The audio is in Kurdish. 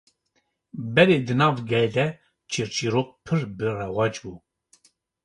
Berê di nav gel de çîrçîrok pir bi rewac bû